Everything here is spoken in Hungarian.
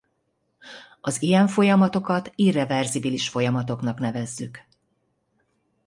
Az ilyen folyamatokat irreverzibilis folyamatoknak nevezzük.